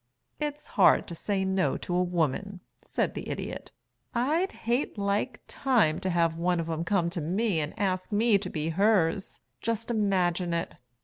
"It is hard to say no to a woman," said the Idiot. "I'd hate like time to have one of 'em come to me and ask me to be hers. Just imagine it.